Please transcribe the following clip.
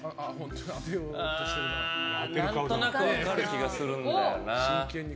うーん何となく分かる気がするんだよな。